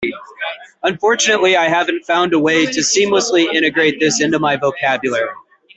Unfortunately, I haven't found a way to seamlessly integrate this into my vocabulary.